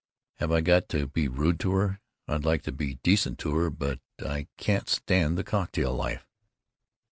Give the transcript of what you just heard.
Have I got to be rude to her? I'd like to be decent to her, but I can't stand the cocktail life.